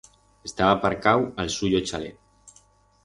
Estaba aparcau a'l suyo chalet.